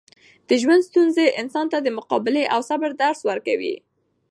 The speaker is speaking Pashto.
د ژوند ستونزې انسان ته د مقابلې او صبر درس ورکوي.